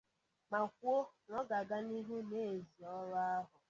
ma kwuo na ọ ga-aga n'ihu n'ezi ọrụ ahụ